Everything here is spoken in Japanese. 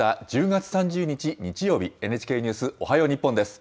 １０月３０日日曜日、ＮＨＫニュースおはよう日本です。